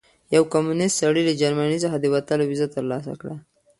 یو کمونیست سړي له جرمني څخه د وتلو ویزه ترلاسه کړه.